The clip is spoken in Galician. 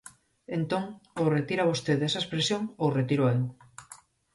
Entón, ou retira vostede esa expresión, ou retíroa eu.